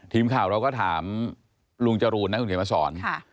ทีมข่าวเราก็ถามลุงเจรูณนักศึกษาประสรรค์